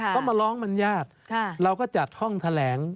ก็มาร้องบรรยาทเราก็จัดห้องแถลง